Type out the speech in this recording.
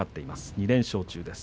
２連勝中です。